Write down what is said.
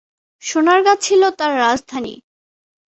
সোনারগাঁ ছিল তার রাজধানী।